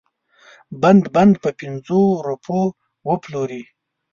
بند بند په پنځو روپو وپلوري.